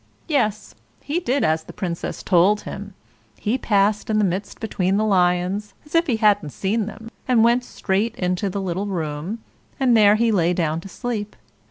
Yes, he did as the Princess told him; he passed in the midst between the lions, as if he hadn't seen them, and went straight into the little room, and there he lay down to sleep.